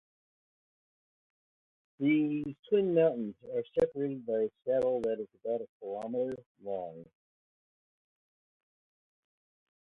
These twin mountains are separated by a saddle that is about a kilometer long.